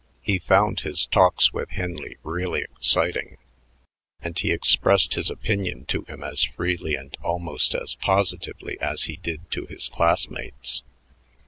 He found his talks with Henley really exciting, and he expressed his opinions to him as freely and almost as positively as he did to his classmates.